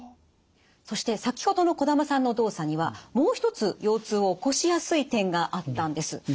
そして先ほどの児玉さんの動作にはもう一つ腰痛を起こしやすい点があったんです。